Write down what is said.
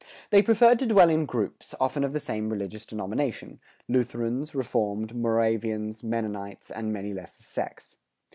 They preferred to dwell in groups, often of the same religious denomination Lutherans, Reformed, Moravians, Mennonites, and many lesser sects.